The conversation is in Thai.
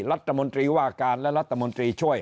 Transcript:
รัฐมนตรีว่าการและรัฐมนตรีช่วย